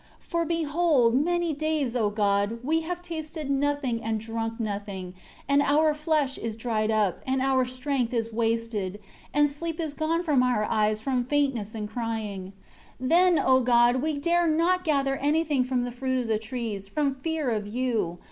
19 For, behold, many days, O God, we have tasted nothing and drunk nothing, and our flesh is dried up, and our strength is wasted, and sleep is gone from our eyes from faintness and crying. 20 Then, O God, we dare not gather anything from the fruit of trees, from fear of you.